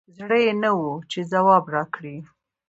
زړه یي نه وو چې ځواب راکړي